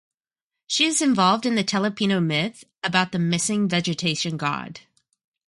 She is involved in the Telepinu Myth, about the "missing" vegetation god.